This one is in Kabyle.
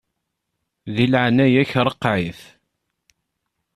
Di leɛnaya-k ṛeqqeɛ-it.